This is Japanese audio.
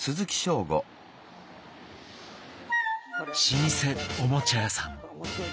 老舗おもちゃ屋さん。